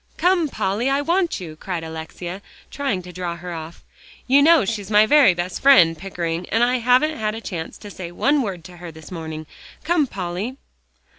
"Come, Polly, I want you," cried Alexia, trying to draw her off. "You know she's my very best friend, Pickering, and I haven't had a chance to say one word to her this morning. Come, Polly."